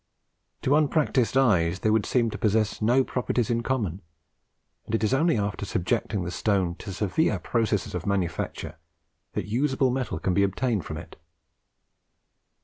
To unpractised eyes they would seem to possess no properties in common, and it is only after subjecting the stone to severe processes of manufacture that usable metal can be obtained from it.